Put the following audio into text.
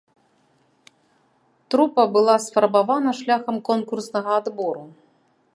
Трупа была сфармавана шляхам конкурснага адбору.